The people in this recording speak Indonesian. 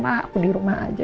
aku di rumah aja